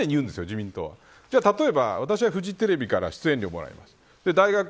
自民党はじゃあ例えば、私はフジテレビから出演料をもらいます。